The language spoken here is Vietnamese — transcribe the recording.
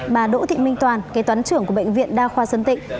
bà đỗ thị minh toàn kế toán trưởng của bệnh viện đa khoa sơn tịnh